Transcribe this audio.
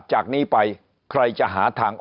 จากนี้ไปใครจะหาทาง